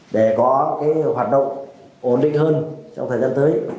để có hoạt động ổn định hơn trong thời gian tới